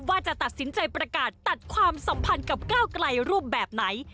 ว่าจะตัดสินใจประกาศตัดความสัมพันธ์กับก้าวไกลรูปแบบไหน